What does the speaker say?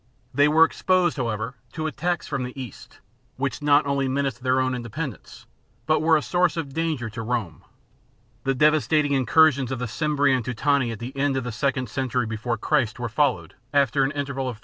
They were exposed, however, to attacks from the east, which not only menaced their own independence, but were a source of danger to xvi INTRODUCTION 113 101 B.C. Rome. The devastating incursions of the Cimbri and Teutoni at the end of the second century before Christ were followed, after an interval of 71 B.